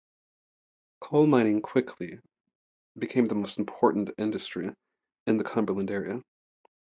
Coal mining quickly became the most important industry in the Cumberland area.